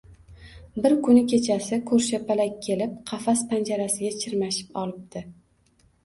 Bir kuni kechasi Ko‘rshapalak kelib qafas panjarasiga chirmashib olibdi